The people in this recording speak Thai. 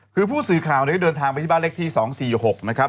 คือผู้สื่อข่าวได้เดินทางไปที่บ้านเลขที่๒๔๖นะครับ